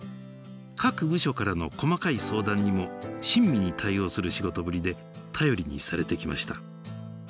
各部署からの細かい相談にも親身に対応する仕事ぶりで頼りにされてきました。